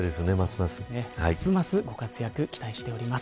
ますます、ご活躍期待しております。